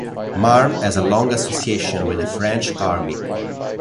Marne has a long association with the French Army.